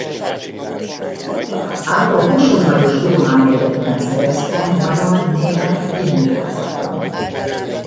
Diplomáját a Kossuth Lajos Tudományegyetemen szerezte magyar-német-finnugor szakon.